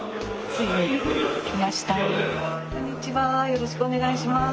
よろしくお願いします。